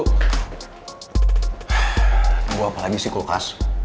bu apa lagi sih kulkas